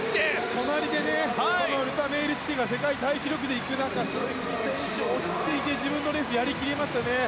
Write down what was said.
隣でルタ・メイルティテが世界タイ記録で行く中鈴木選手は落ち着いて自分のレースをやりましたね。